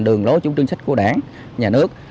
đường lối chủ trương sách của đảng nhà nước